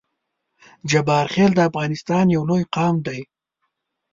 جبارخیل د افغانستان یو لوی قام دی